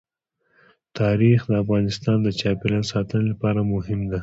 تاریخ د افغانستان د چاپیریال ساتنې لپاره مهم دي.